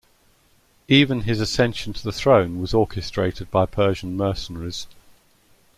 Even his ascension to the throne was orchestrated by Persian mercenaries.